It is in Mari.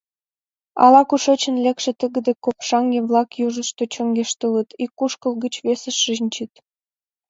Ала-кушечын лекше тыгыде копшаҥге-влак южышто чоҥештылыт, ик кушкыл гыч весыш шинчыт.